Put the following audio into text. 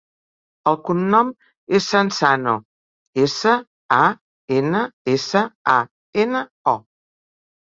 El cognom és Sansano: essa, a, ena, essa, a, ena, o.